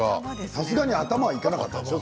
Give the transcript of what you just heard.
さすがに頭はいかなかったでしょ？